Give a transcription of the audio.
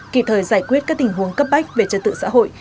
kịp thời giải quyết các tình huống cấp bách về trật tự xã hội